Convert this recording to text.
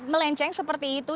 melenceng seperti itu